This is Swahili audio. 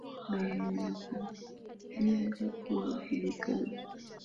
na na nakujenga uajibikaji